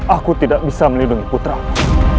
aku tidak bisa melindungi putraku